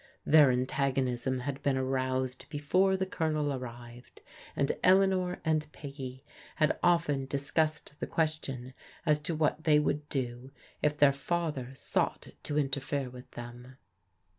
Their antagonism had been aroused before the Colonel arrived, and Eleanor and Peggy had often discussed the question as to what they would do if their father sought to interfere with them.